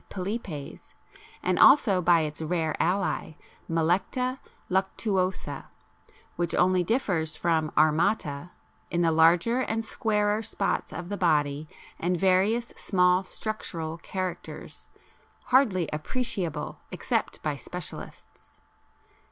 pilipes_ and also by its rare ally Melecta luctuosa, which only differs from armata (pl. D, 26) in the larger and squarer spots of the body and various small structural characters hardly appreciable except by specialists.